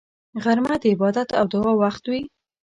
غرمه د عبادت او دعا وخت وي